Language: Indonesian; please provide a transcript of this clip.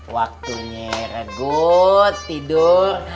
waktunya regut tidur